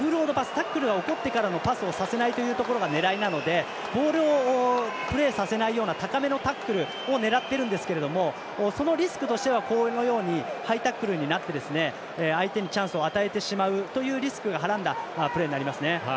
タックルが起こってからのパスをさせないのが狙いなのでモールをプレーさせないような高めのタックルを狙ってるんですけれどもそのリスクとしてはこのようにハイタックルになって相手にチャンスを与えてしまうというリスクをはらんだプレーになりますね。